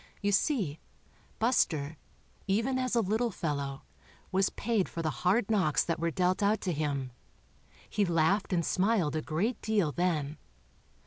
You see. Buster, even as a little fellow, was paid for 'the hard knocks that were dealt out to him. He laughed and smiled a great deal then.